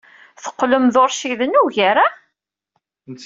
Teqqlem d uṛciden ugar, ah?